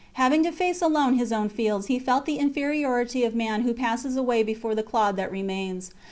Having to face alone his own fields, he felt the inferiority of man who passes away before the clod that remains.